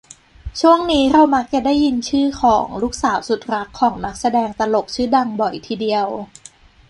ช่วงนี้เรามักจะได้ยินชื่อของ ลูกสาวสุดรักของ นักแสดงตลกชื่อดัง บ่อยทีเดียว